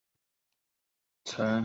曾就读日本播音演技研究所。